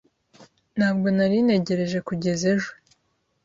Ntabwo nari ntegereje kugeza ejo.